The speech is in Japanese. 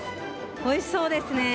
おいしそうですね。